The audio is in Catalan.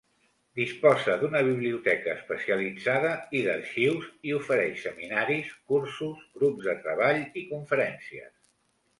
Disposa d'una biblioteca especialitzada i d'arxius, i ofereix seminaris, cursos, grups de treball i conferències.